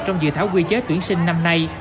trong dự thảo quy chế chuyển sinh năm nay